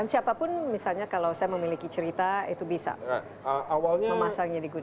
nah siapapun misalnya kalau saya memiliki cerita itu bisa memasangnya di good news